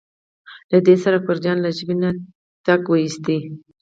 له دې سره اکبرجان له ژبې نه ټک وویست.